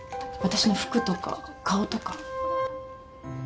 私の服とか顔とか。